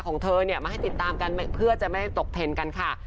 ของเธอเนี่ยมาให้ติดตามกันเพื่อจะไม่ตกเทรนกันค่ะ